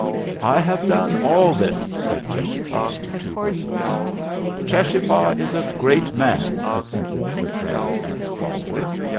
"I have done all this," said Cheschapah to Two Whistles. "Cheschapah is a great man," assented the friend and follower.